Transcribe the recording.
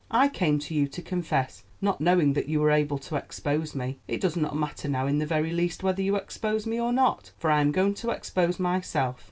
I came to you to confess, not knowing that you were able to expose me. It does not matter now in the very least whether you expose me or not, for I am going to expose myself.